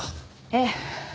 ええ。